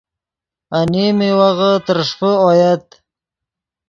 انیم میوغے ترݰپے اویت